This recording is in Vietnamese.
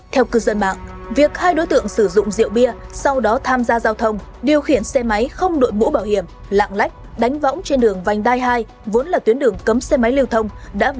theo cư dân mạng việc hai đối tượng sử dụng rượu bia rượu bà rượu bà rượu bà rượu bà rượu bà rượu bà rượu bà